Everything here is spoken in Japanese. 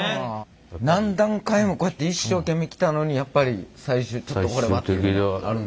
何段階もこうやって一生懸命来たのにやっぱり最終「ちょっとこれは」っていうのはあるんですか？